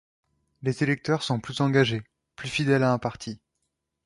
Les électeurs sont plus engagés, plus fidèle à un parti.